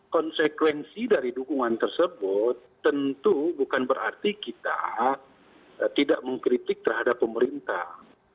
konsekuensi dari dukungan tersebut tentu bukan berarti kita tidak mengkritik terhadap pemerintah